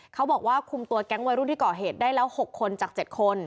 เขาบอกว่าคุมตัวแก๊งวัยรุ่นที่ก่อเหตุได้แล้ว๖คนจาก๗คน